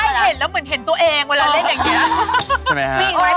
ไม่เห็นแล้วเหมือนเห็นตัวเองเวลาเล่นอย่างนี้นะใช่ไหมฮะ